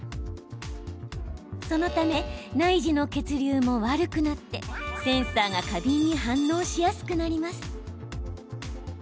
そのため内耳の血流も悪くなってセンサーが過敏に反応しやすくなります。